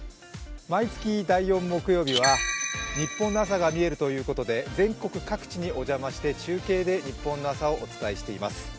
毎月第４木曜日は「ニッポンの朝がみえる」ということで全国各地にお邪魔して中継で日本の朝をお伝えしています。